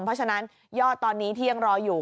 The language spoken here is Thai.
เพราะฉะนั้นยอดตอนนี้ที่ยังรออยู่